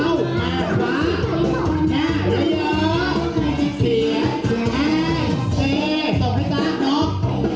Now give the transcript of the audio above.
อ่านใส่แป๊บนี้ก็รอด้วยจัง